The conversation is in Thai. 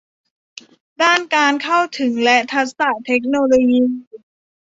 ด้านการเข้าถึงและทักษะเทคโนโลยี